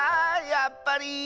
やっぱり。